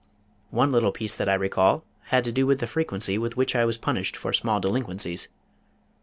One little piece that I recall had to do with the frequency with which I was punished for small delinquencies.